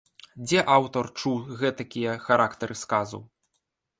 Дзе аўтар чуў гэтакія характары сказаў?